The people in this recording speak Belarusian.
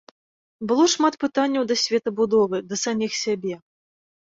Было шмат пытанняў да светабудовы, да саміх сябе.